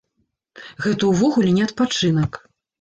Гэта ўвогуле не адпачынак.